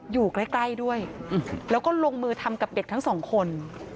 อยู่ใกล้ด้วยแล้วก็ลงมือทำกับเด็กทั้งสองคน